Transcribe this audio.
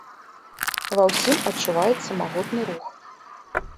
Ва ўсім адчуваецца магутны рух.